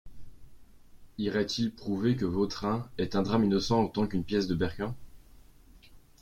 Irait-il prouver que Vautrin est un drame innocent autant qu’une pièce de Berquin ?